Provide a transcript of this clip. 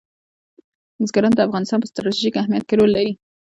بزګان د افغانستان په ستراتیژیک اهمیت کې رول لري.